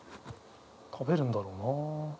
食べるんだろうな？